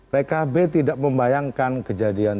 pkb tidak membayangkan kejadian